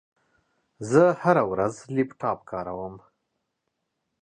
زه هره ورځ لپټاپ کاروم.